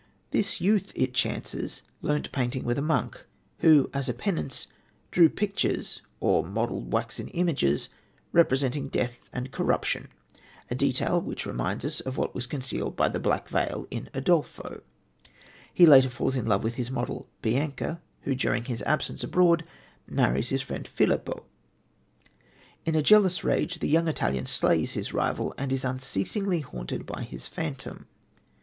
This youth, it chances, learnt painting with a monk, who, as a penance, drew pictures, or modelled waxen images, representing death and corruption, a detail which reminds us of what was concealed by the Black Veil in Udolpho. He later falls in love with his model, Bianca, who, during his absence abroad, marries his friend Filippo. In a jealous rage the young Italian slays his rival, and is unceasingly haunted by his phantom.